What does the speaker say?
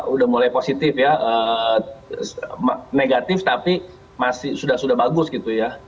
udah mulai positif ya negatif tapi masih sudah sudah bagus gitu ya